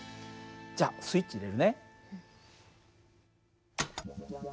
じゃあスイッチ入れるね。